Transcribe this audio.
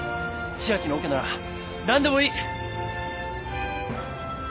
千秋のオケなら何でもいい！